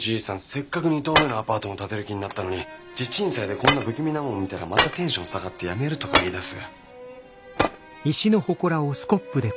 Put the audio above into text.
せっかく２棟目のアパートも建てる気になったのに地鎮祭でこんな不気味なもん見たらまたテンション下がってやめるとか言いだす。